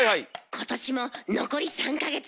今年も残り３か月。